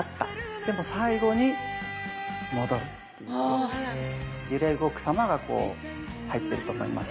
でも最後に戻るって言って揺れ動く様がこう入ってると思います。